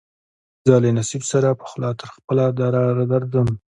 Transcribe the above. زه له نصیب سره پخلا تر خپله داره درځم